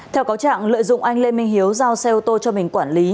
theo cáo trạng lợi dụng anh lê minh hiếu giao xe ô tô cho mình quản lý